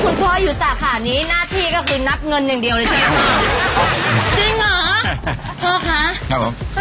คุณพ่ออยู่สาขานี้หน้าที่ก็คือนับเงินอย่างเดียวเลยใช่ไหมจริงเหรอพ่อคะครับผม